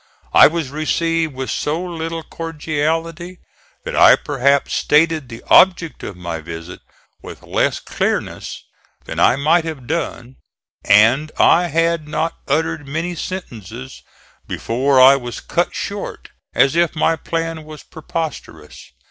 I was received with so little cordiality that I perhaps stated the object of my visit with less clearness than I might have done, and I had not uttered many sentences before I was cut short as if my plan was preposterous.